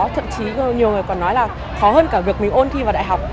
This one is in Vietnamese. thậm chí nhiều người còn nói là khó hơn cả việc mình ôn thi vào đại học